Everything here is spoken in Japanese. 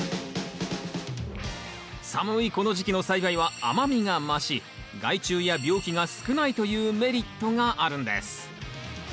寒いこの時期の栽培は甘みが増し害虫や病気が少ないというメリットがあるんです。